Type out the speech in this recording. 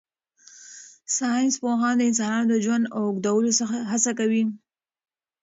ساینس پوهان د انسانانو د ژوند اوږدولو هڅه کوي.